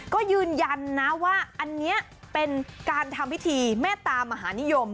ก็ยืนยันนะว่าอันนี้เป็นการทำพิธีเมตตามหานิยม